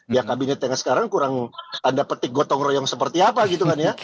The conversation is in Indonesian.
ya kabinet yang sekarang kurang tanda petik gotong royong seperti apa gitu kan ya